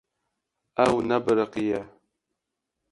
Ew nebiriqiye.